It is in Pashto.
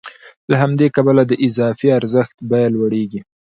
له همدې کبله د اضافي ارزښت بیه لوړېږي